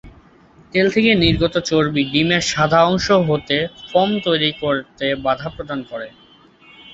তেল থেকে নির্গত চর্বি ডিমের সাদা অংশ হতে ফোম তৈরি করতে বাঁধা প্রদান করে।